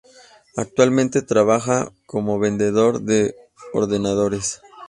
Actualmente trabaja como vendedor de ordenadores.